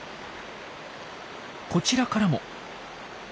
こちらからも。